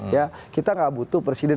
ya kita nggak butuh presiden